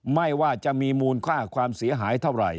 ไม่ว่าจะมีมูลค่าความเสียหายเท่าไหร่